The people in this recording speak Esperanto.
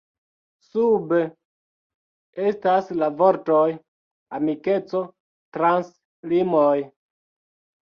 Sube estas la vortoj “Amikeco trans limoj”.